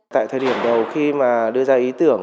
tại thời điểm đầu khi mà đưa ra ý tưởng